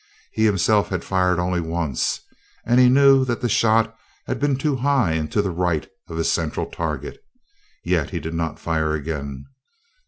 He himself had fired only once, and he knew that the shot had been too high and to the right of his central target; yet he did not fire again.